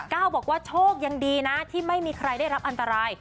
ก้าวบอกว่าโชคยังดีนะที่ไม่มีใครได้รับอันตราย